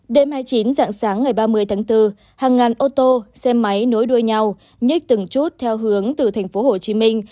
đêm hai mươi chín dạng sáng ngày ba mươi tháng bốn hàng ngàn ô tô xe máy nối đuôi nhau nhích từng chút theo hướng từ thành phố hồ chí minh